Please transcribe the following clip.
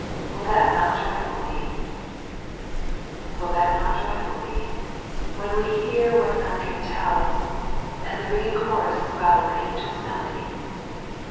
Will that not joyful be ? 4. Will that not joyful be, When we hear what none can tell, And the ringing chorus swell Of angePs melody